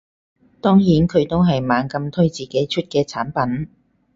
當然佢都係猛咁推自己出嘅產品